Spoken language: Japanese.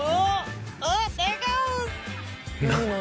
何？